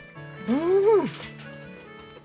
うん！